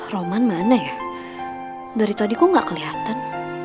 roman mana ya dari tadi gue gak kelihatan